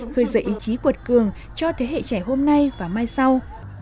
khơi dậy ý chí cuột cường cho thế hệ trẻ hôm nay và mai sau